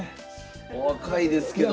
お若いですけども。